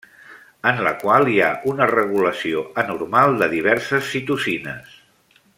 En la qual hi ha una regulació anormal de diverses citocines.